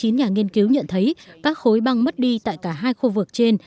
tám mươi chín nhà nghiên cứu nhận thấy các khối băng mất đi tại cả hai khu vực trên